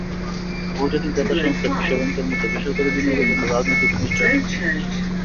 বহুজাতিক দাতা সংস্থা বিশ্বব্যাংকের মতে, বেসরকারি বিনিয়োগের জন্য রাজনৈতিক অনিশ্চয়তা একটি সমস্যা।